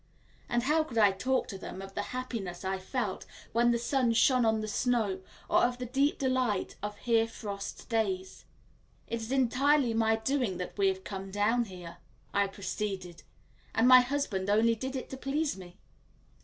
And how could I talk to them of the happiness I felt when the sun shone on the snow, or of the deep delight of hear frost days? "It is entirely my doing that we have come down here," I proceeded, "and my husband only did it to please me."